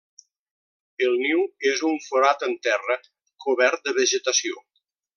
El niu és un forat en terra cobert de vegetació.